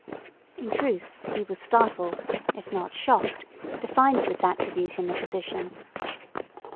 In truth, he was startled, if not shocked, to find this attribute in the physician.